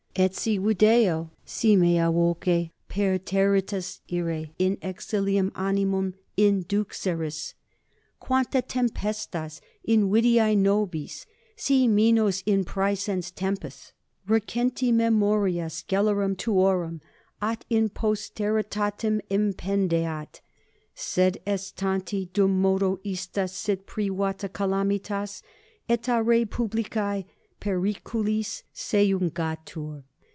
etsi video, si mea voce perterritus ire in exilium animum induxeris, quanta tempestas invidiae nobis, si minus in praesens tempus, recenti memoria scelerum tuorum, at in posteritatem impendeat. Sed est tanti, dummodo ista sit privata calamitas et a rei publicae periculis seiungatur.